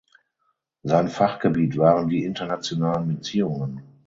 Sein Fachgebiet waren die Internationalen Beziehungen.